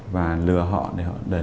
và lừa họ để họ đẩy lợi